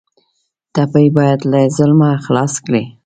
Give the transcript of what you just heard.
ټپي باید له ظلمه خلاص کړئ.